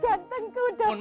jantan ku sudah pulang